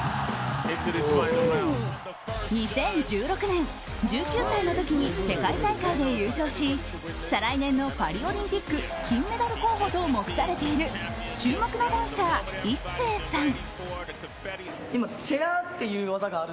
２０１６年１９歳の時に世界大会で優勝し再来年のパリオリンピック金メダル候補と目されている注目のダンサー、ＩＳＳＥＩさん。